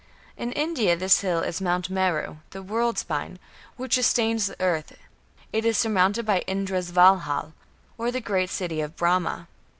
In India this hill is Mount Meru, the "world spine", which "sustains the earth"; it is surmounted by Indra's Valhal, or "the great city of Brahma".